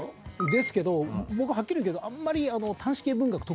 ですけど僕はっきり言うけどあんまり。